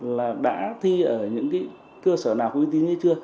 là đã thi ở những cơ sở nào quý vị